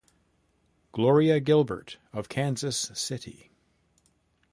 Gloria Gilbert of Kansas City!